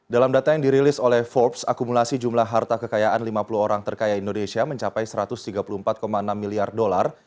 dalam data yang dirilis oleh forbes akumulasi jumlah harta kekayaan lima puluh orang terkaya indonesia mencapai satu ratus tiga puluh empat enam miliar dolar